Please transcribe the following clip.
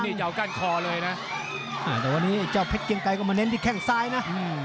แต่วันนี้ไอ้เจ้าเพชรเกียงไกก็มาเน้นที่แข้งซ้ายนะ